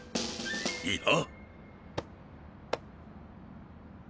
いいな？